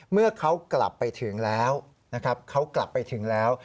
เมื่อเขากลับไปถึงแล้วนะครับเขากลับไปถึงแล้ว